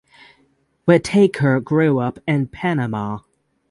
Whittaker grew up in Panama.